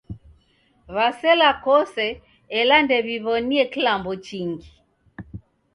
W'asela kose ela ndew'iw'onie klambo chingi.